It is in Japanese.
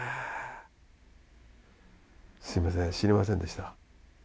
すいません知りませんでした。